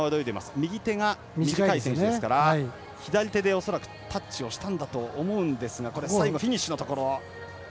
右手が短い選手ですから恐らく、左手でタッチをしたんだと思うんですが最後、フィニッシュのところ。